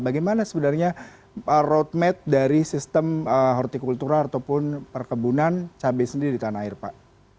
bagaimana sebenarnya roadmap dari sistem hortikultura ataupun perkebunan cabai sendiri di tanah air pak